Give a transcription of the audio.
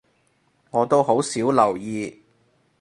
我都好少留意